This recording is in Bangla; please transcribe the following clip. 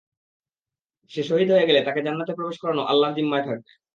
সে শহীদ হয়ে গেলে তাকে জান্নাতে প্রবেশ করানো আল্লাহর যিম্মায় থাকবে।